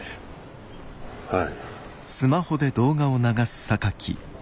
はい。